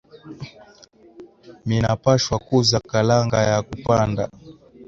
Mina pashwa kuza kalanga ya ku panda